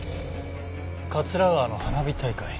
桂川の花火大会。